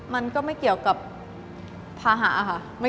มันก็ไม่เกี่ยวกับภาหะค่ะ